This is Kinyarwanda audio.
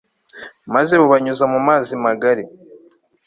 maze bubanyuza mu mazi magari